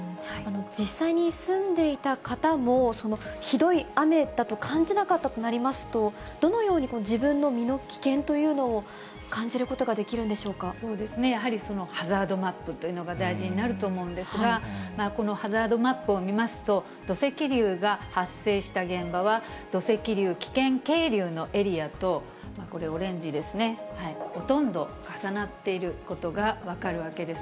実際に住んでいた方も、ひどい雨だと感じなかったとなりますと、どのように自分の身の危険というのを、感じることができるんでしそうですね、やはりハザードマップというのが大事になると思うんですが、このハザードマップを見ますと、土石流が発生した現場は、土石流危険渓流のエリアと、これ、オレンジですね、ほとんど重なっていることが分かるわけです。